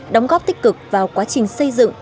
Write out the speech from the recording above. đóng góp tích cực vào quá trình xây dựng